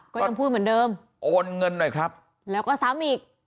ก็ยังพูดเหมือนเดิมโอนเงินหน่อยครับแล้วก็ซ้ำอีก